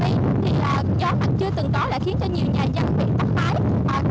tại vị trí quốc gia mỹ gió mặt chưa từng có đã khiến nhiều nhà dân bị tốc mái